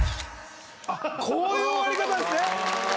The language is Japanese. こういう終わり方ですね。